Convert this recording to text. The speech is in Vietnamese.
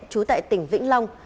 trú tại tỉnh vĩnh long